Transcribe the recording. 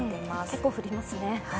結構降りますね。